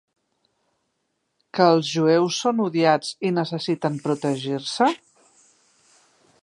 Què els jueus són odiats i necessiten protegir-se?